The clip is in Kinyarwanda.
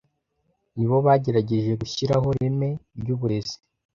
nibo bagerageje gushyiraho ireme ry’uburezi